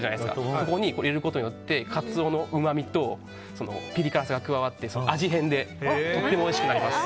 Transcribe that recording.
そこに入れることによってカツオのうまみとピリ辛さが加わって味変でとてもおいしくなります。